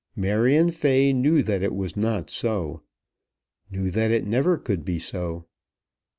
Marion Fay knew that it was not so; knew that it never could be so.